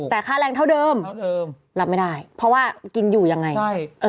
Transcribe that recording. ถูกเท่าเดิมรับไม่ได้เพราะว่ากินอยู่อย่างไรเออ